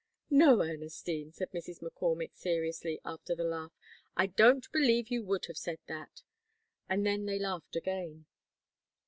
'" "No, Ernestine," said Mrs. McCormick, seriously, after the laugh, "I don't believe you would have said that," and then they laughed again.